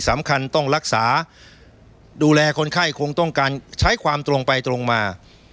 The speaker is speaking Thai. สำคัญต้องรักษาดูแลคนไข้คงต้องการใช้ความตรงไปตรงมา